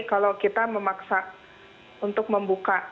kalau kita memaksa untuk membuka